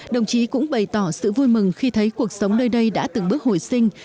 đồng chí cũng bày tỏ sự vui mừng khi thấy cuộc sống nơi đây đã từng bước hồi sinh